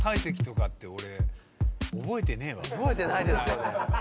鮮やか！］覚えてないですよね。